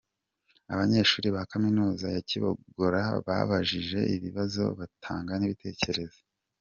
Abanyeshuri ba Kaminuza ya Kibogora babajije ibibazo batanga n’ibitekerezo.